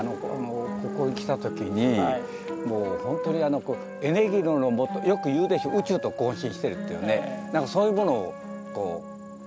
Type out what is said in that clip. ここへ来た時にもうほんとにエネルギーのもとよく言うでしょ宇宙と交信してるっていうねなんかそういうものを感じたんですね。